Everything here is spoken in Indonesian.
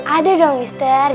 ada dong mister